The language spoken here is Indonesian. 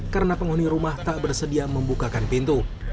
karena penghuni rumah tak bersedia membukakan pintu